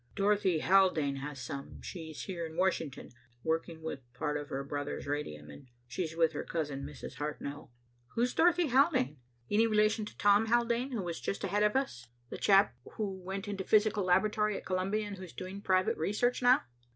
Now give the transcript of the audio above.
"Dorothy Haldane has some. She's here in Washington working with part of her brother's radium, and she's with her cousin Mrs. Hartnell." "Who's Dorothy Haldane? Any relation to Tom Haldane who was just ahead of us, the chap who went into the Physical Laboratory at Columbia and who's doing private research now?"